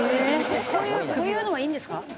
こういうこういうのはいいんですか？